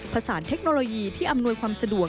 สารเทคโนโลยีที่อำนวยความสะดวก